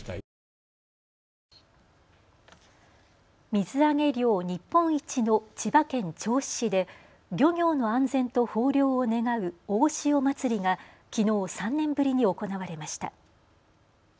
水揚げ量、日本一の千葉県銚子市で漁業の安全と豊漁を願う大潮祭がきのう３年ぶりに行われました。